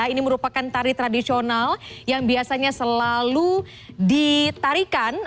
ini merupakan tari tradisional yang biasanya selalu ditarikan